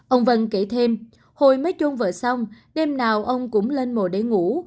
ông vân kể thêm hồi mới chôn vợ xong đêm nào ông cũng lên mồ để ngủ